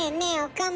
岡村。